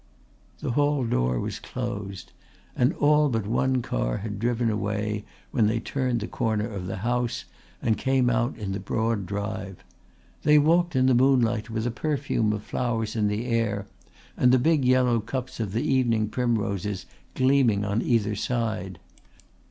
The hall door was closed and all but one car had driven away when they turned the corner of the house and came out in the broad drive. They walked in the moonlight with a perfume of flowers in the air and the big yellow cups of the evening primroses gleaming on either side.